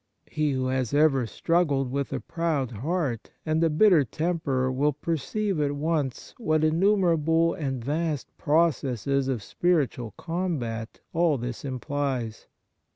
He who has ever struggled with a proud heart and a bitter temper will per ceive at once what innumerable and vast processes of spiritual combat all this im plies.